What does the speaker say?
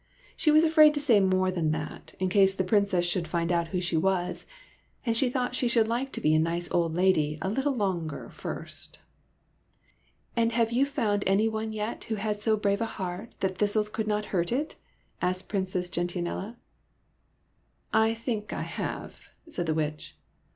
She was afraid to say more than that, in case the Prin cess should find out who she was, and she thought she would like to be a nice old lady a little longer first. *' And have you found any one yet who has so brave a heart that the thistles cannot hurt it ?" asked Princess Gentianella. SOMEBODY ELSE^S PRINCE 99 '' I think I have," said the Witch.